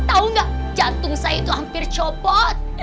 tahu nggak jantung saya itu hampir copot